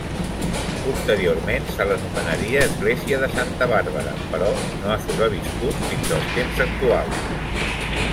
Posteriorment se l'anomenaria església de Santa Bàrbara però no ha sobreviscut fins als temps actuals.